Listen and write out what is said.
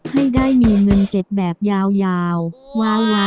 ให้ได้มีเงินเก็บแบบยาว